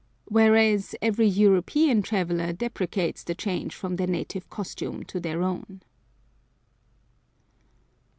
Whereas, every European traveller deprecates the change from their native costume to our own.